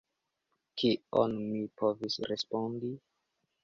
Kion mi povis respondi?